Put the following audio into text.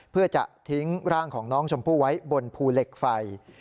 เพื่อจะทิ้งร่างของน้องชมพู่ไว้บนภูเหล็กไฟ